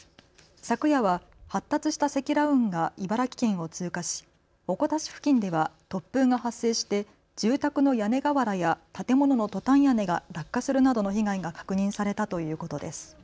昨夜は発達した積乱雲が茨城県を通過し鉾田市付近では突風が発生して住宅の屋根瓦や建物のトタン屋根が落下するなどの被害が確認されたということです。